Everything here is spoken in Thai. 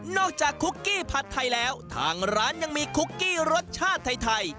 จากคุกกี้ผัดไทยแล้วทางร้านยังมีคุกกี้รสชาติไทย